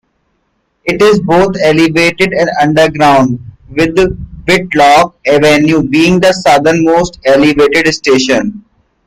It is both elevated and underground with Whitlock Avenue being the southernmost elevated station.